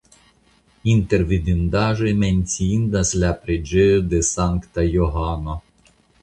Inter vidindaĵoj menciindas la preĝejo de Sankta Johano.